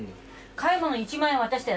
買い物１万円渡したよ